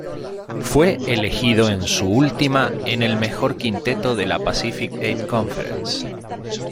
Fue elegido en su última en el mejor quinteto de la Pacific Eight Conference.